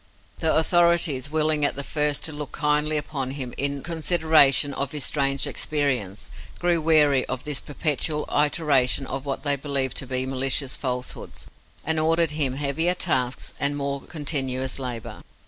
The authorities, willing at the first to look kindly upon him in consideration of his strange experience, grew weary of this perpetual iteration of what they believed to be malicious falsehoods, and ordered him heavier tasks and more continuous labour.